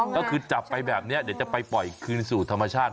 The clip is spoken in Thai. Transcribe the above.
ก็คือจับไปแบบนี้เดี๋ยวจะไปปล่อยคืนสู่ธรรมชาติ